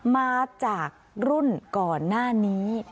มาจากรุ่นก่อนหน้านี้